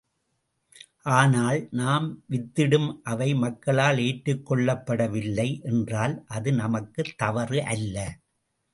ஆனால், நாம் வித்திட்டும் அவை மக்களால் ஏற்றுக் கொள்ளப்படவில்லை என்றால் அது நமது தவறு அல்ல.